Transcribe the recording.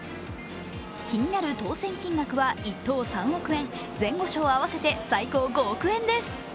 気になる当選金額は１等３億円、前後賞合わせて最高５億円です。